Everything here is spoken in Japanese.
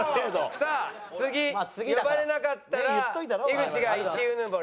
さあ次呼ばれなかったら井口が１うぬぼれ。